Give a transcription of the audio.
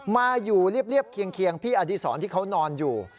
มาอยู่เรียบเคียงพี่อดีศรที่เขานอนอยู่